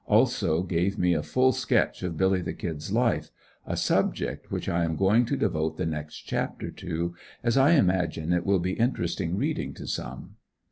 He also gave me a full sketch of "Billy the Kid's" life, a subject which I am going to devote the next chapter to, as I imagine it will be interesting reading to some.